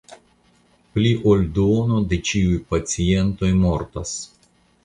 Pli ol duono de ĉiuj pacientoj mortas.